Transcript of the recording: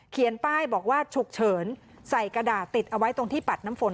ป้ายบอกว่าฉุกเฉินใส่กระดาษติดเอาไว้ตรงที่ปัดน้ำฝน